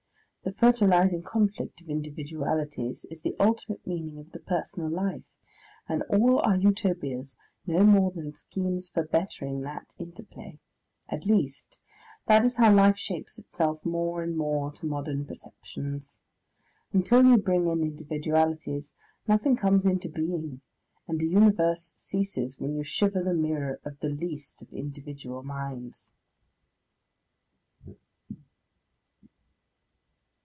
The fertilising conflict of individualities is the ultimate meaning of the personal life, and all our Utopias no more than schemes for bettering that interplay. At least, that is how life shapes itself more and more to modern perceptions. Until you bring in individualities, nothing comes into being, and a Universe ceases when you shiver the mirror of the least of individual minds.